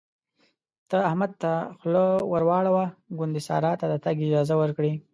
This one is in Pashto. ته احمد ته خوله ور واړوه ګوندې سارا ته د تګ اجازه ورکړي.